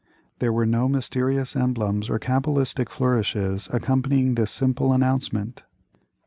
There were no mysterious emblems or cabalistic flourishes accompanying this simple announcement.